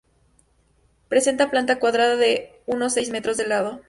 Presenta planta cuadrada de unos seis metros de lado.